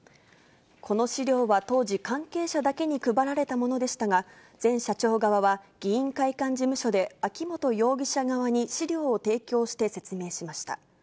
この資料は当時、関係者だけに配られたものでしたが、前社長側は、議員会館事務所で秋本容疑者側に資料を提供して説明しました。